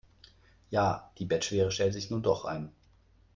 Ja, die Bettschwere stellt sich nun doch ein.